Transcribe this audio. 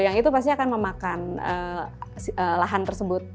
yang itu pasti akan memakan lahan tersebut